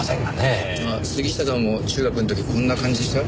あっ杉下さんも中学の時こんな感じでした？